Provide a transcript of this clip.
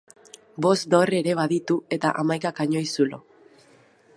Bost dorre ere baditu eta hamaika kanoi zulo.